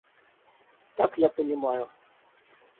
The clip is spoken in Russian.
Так я понимаю.